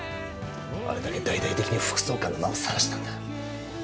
あれだけ大々的に副総監の名をさらしたんだ。